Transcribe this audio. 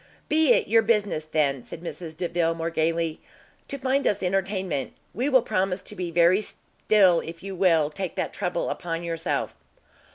"Be it your business, then," said Mrs Delvile, more gaily, "to find us entertainment. We will promise to be very still if you will take that trouble upon yourself."